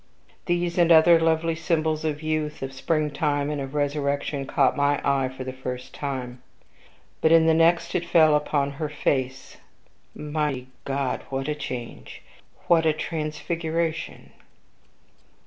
These and other lovely symbols of youth, of springtime, and of resurrection, caught my eye for the first moment; but in the next it fell upon her face. Mighty God! what a change! what a transfiguration!